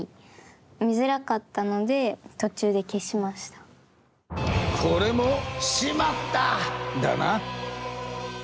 それだとこれも「しまった！」だな。